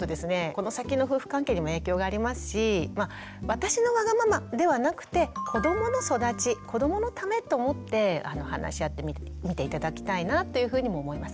この先の夫婦関係にも影響がありますし「私のわがまま」ではなくて「子どもの育ち」子どものためと思って話し合ってみて頂きたいなというふうにも思います。